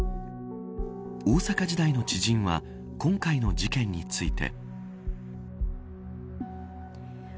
大阪時代の知人は今回の事件について。